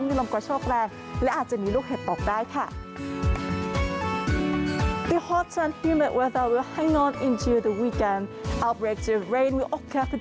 มีลมกระโชคแรงและอาจจะมีลูกเห็บตกได้ค่ะ